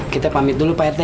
kita pamit dulu pak rt